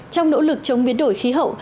trong nỗ lực chống biến đổi khí hậu